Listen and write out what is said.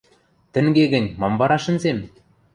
– Тӹнге гӹнь, мам вара шӹнзем?